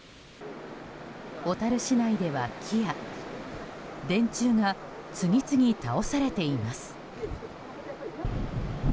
小樽市内では木や電柱が次々倒されています。